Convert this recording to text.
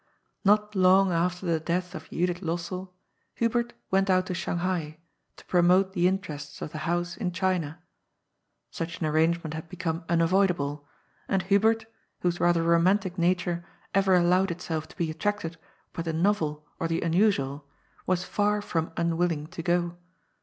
Not long after the death of Judith Lossell Hubert went out to Shanghai to promote the interests of the house in China. Such an arrangement had become unavoidable, and Hubert, whose rather romantic nature ever allowed itself to be attracted by the novel or the unusual, was far from un willing to go.